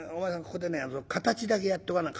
ここでね形だけやってごらん。